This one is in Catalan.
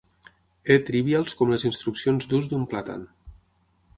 E. Trivials com les instruccions d'ús d'un plàtan.